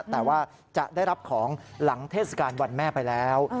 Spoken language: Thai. แต่ว่าจะได้รับของหลังเทศกาลวันแม่ไปแล้ว